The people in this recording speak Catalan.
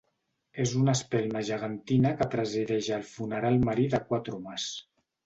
És una espelma gegantina que presideix el funeral marí de quatre homes.